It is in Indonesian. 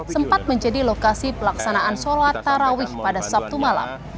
sempat menjadi lokasi pelaksanaan sholat tarawih pada sabtu malam